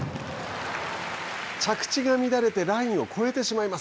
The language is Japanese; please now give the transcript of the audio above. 着地が乱れてラインを越えてしまいます。